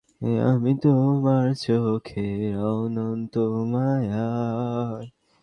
এতে ইহুদীরা আবার হাশীশ নামক নেশা জাতীয় দ্রব্য মিশিয়ে দেয়।